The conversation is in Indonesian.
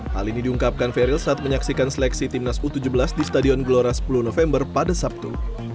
hal ini diungkapkan feriel saat menyaksikan seleksi timnas u tujuh belas di stadion gelora sepuluh november pada sabtu